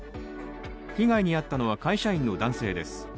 被害に遭ったのは会社員の男性です。